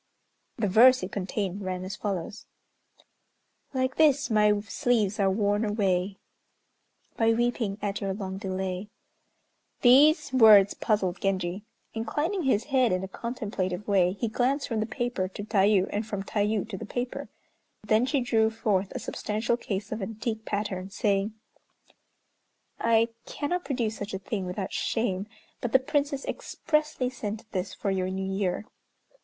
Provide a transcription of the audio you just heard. The verse it contained ran as follows: "Like this, my sleeves are worn away, By weeping at your long delay." These words puzzled Genji. Inclining his head in a contemplative way, he glanced from the paper to Tayû, and from Tayû to the paper. Then she drew forth a substantial case of antique pattern, saying, "I cannot produce such a thing without shame, but the Princess expressly sent this for your New Year.